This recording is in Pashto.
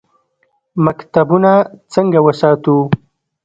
مکتبونه څنګه وساتو؟